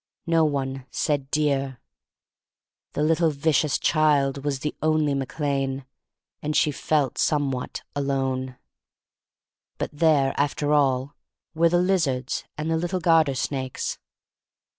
No one said "dear." The little vicious child was the only Mac Lane, and she felt somewhat alone. But there, after all, were the lizards and the little garter snakes.